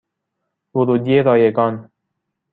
ورودی رایگان